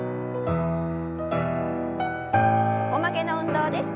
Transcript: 横曲げの運動です。